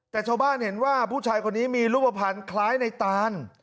แต่ชาวบ้านเห็นว่าผู้ชายคนนี้มีรูปภัณฑ์คล้ายในตาน